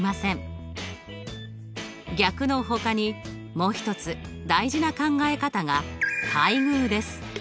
逆のほかにもう一つ大事な考え方が対偶です。